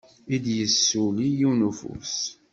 I d-isuli yiwen n ufus.